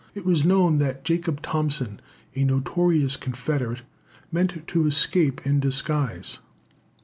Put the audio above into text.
It was known that Jacob Thompson, a notorious Confederate, meant to escape in disguise.